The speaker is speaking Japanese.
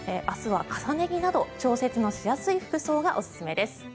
明日は重ね着など調節のしやすい服装がおすすめです。